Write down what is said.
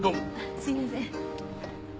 すいません。